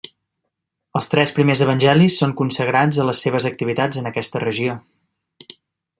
Els tres primers evangelis són consagrats a les seves activitats en aquesta regió.